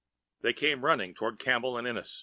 They came running toward Campbell and Ennis.